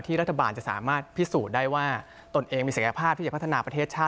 รัฐบาลจะสามารถพิสูจน์ได้ว่าตนเองมีศักยภาพที่จะพัฒนาประเทศชาติ